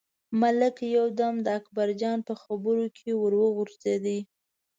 ملک یو دم د اکبرجان په خبرو کې ور وغورځېد.